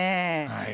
はい。